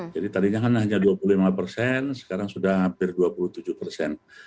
jadi tadinya hanya dua puluh lima persen sekarang sudah hampir dua puluh tujuh persen